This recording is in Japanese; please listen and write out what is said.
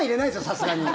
さすがに。